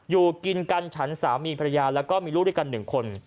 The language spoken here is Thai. อยู่กินกันฉันสามีภรรยาแล้วก็มีลูกด้วยกัน๑คน